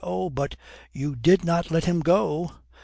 "Oh, but you did not let him go?"